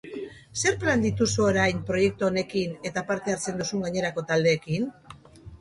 Zer plan dituzu orain, proiektu honekin eta parte hartzen duzun gainerako taldeekin?